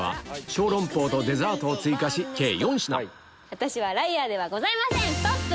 私はライアーではございませんストップ！